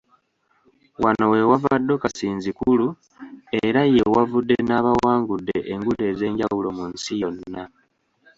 Wano we wava Docus Inzikuru era ye wavudde n'abawangudde engule ez'enjawulo mu nsi yonna.